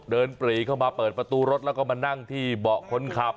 ปรีเข้ามาเปิดประตูรถแล้วก็มานั่งที่เบาะคนขับ